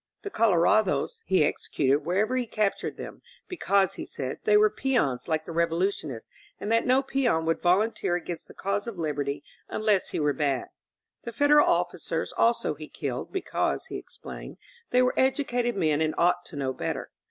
The color ados he executed wherever he captured them; because, he said, they were peons like the Revolution ists and that no peon would volunteer against the cause of liberty unless he were bad. The Federal of ficers also he killed, because, he explained, they were educated men and ought to know better.